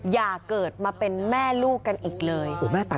อย่าเกิดมาเป็นแม่ลูกกันอีกเลย